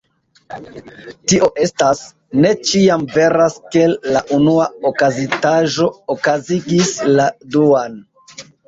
Tio estas, ne ĉiam veras ke la unua okazintaĵo okazigis la duan.